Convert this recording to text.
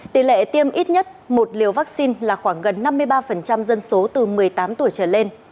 tỷ lệ tiêm ít nhất một liều vaccine là khoảng gần năm mươi ba dân số từ một mươi tám tuổi trở lên